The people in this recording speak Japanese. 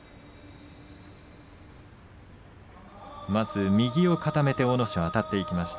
まず右を固めて阿武咲あたっていきました。